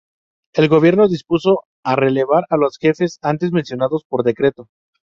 El gobierno dispuso relevar a los jefes antes mencionados por decreto.